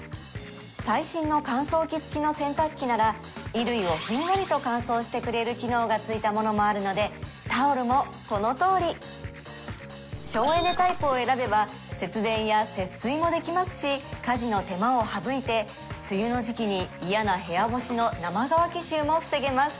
最新の乾燥機つきの洗濯機なら衣類をふんわりと乾燥してくれる機能がついたものもあるのでタオルもこのとおり省エネタイプを選べば節電や節水もできますし家事の手間を省いて梅雨の時期に嫌な部屋干しの生乾き臭も防げます